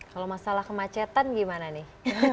kalau masalah kemacetan gimana nih